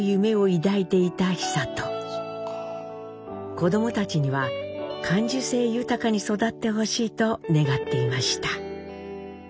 子どもたちには感受性豊かに育ってほしいと願っていました。